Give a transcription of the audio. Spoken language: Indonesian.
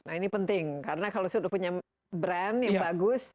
nah ini penting karena kalau sudah punya brand yang bagus